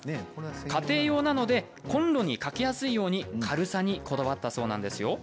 家庭用なのでコンロにかけやすいように軽さにこだわったそうですよ。